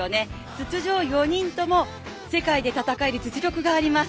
出場４人とも世界で戦える実力があります。